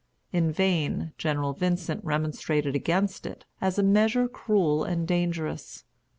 In vain General Vincent remonstrated against it as a measure cruel and dangerous.